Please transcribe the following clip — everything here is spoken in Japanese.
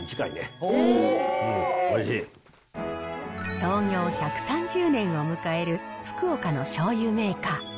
創業１３０年を迎える福岡のしょうゆメーカー。